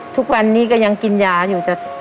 ทุกวันนี้ก็ยังกินยาอยู่